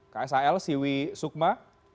ksal siwi sukma